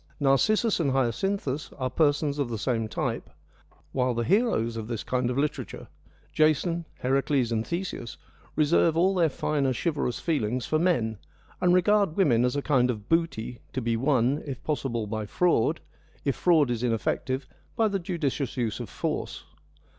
18 FEMINISM IN GREEK LITERATURE Narcissus and Hyacinthus are persons of the same type, while the heroes of this kind of literature, Jason, Heracles, and Theseus, reserve all their finer chivalrous feelings for men, and regard women as a kind of booty, to be won, if possible, by fraud ; if fraud is ineffective, by the judicious use of force.